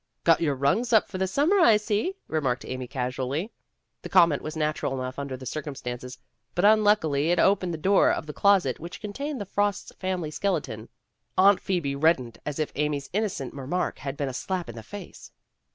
'* Got your rugs up for the summer, I see," remarked Amy casu ally. The comment was natural enough under the circumstances, but unluckily it opened the door of the closet which contained the Frosts' family skeleton. Aunt Phoebe reddened as if Amy's innocent remark had been a slap in the face.